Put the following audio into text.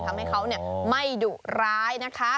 ทำให้เขาไม่ดุร้าย